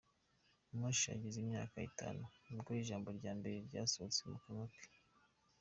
Moshé agize imyaka itanu, nibwo ijambo rya mbere ryasohotse mu kanwa ke.